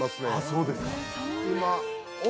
そうですか